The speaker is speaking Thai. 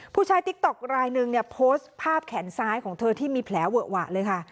ใช้ติ๊กต๊อกรายนึงเนี่ยโพสต์ภาพแขนซ้ายของเธอที่มีแผลเวอะหวะเลยค่ะ